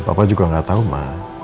papa juga gak tau ma